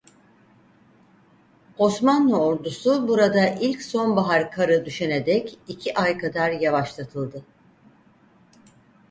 Osmanlı ordusu burada ilk sonbahar karı düşene dek iki ay kadar yavaşlatıldı.